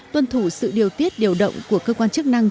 tuân thủ sự điều tiết điều động của cơ quan chức năng